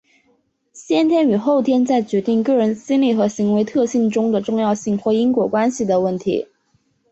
先天与后天在决定个人心理和行为特性中的重要性或因果关系的问题。